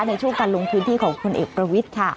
ในช่วงการลงพื้นที่ของคนเอกประวิทย์ค่ะ